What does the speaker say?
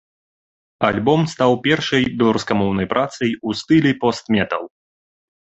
Альбом стаў першай беларускамоўнай працай у стылі пост-метал.